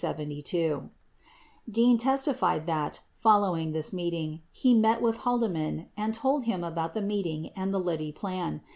75 Dean testified that, following this meeting, he met with Haldeman and told him about the meeting and the Liddy plan.